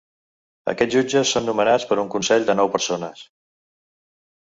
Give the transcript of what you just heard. Aquests jutges són nomenats per un consell de nou persones.